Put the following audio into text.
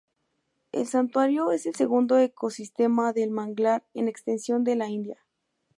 El santuario es el segundo ecosistema de manglar en extensión de la India.